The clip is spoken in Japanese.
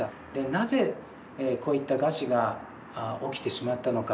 なぜこういった餓死が起きてしまったのか。